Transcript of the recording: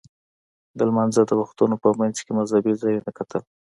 د لمانځه د وختونو په منځ کې مذهبي ځایونه کتل.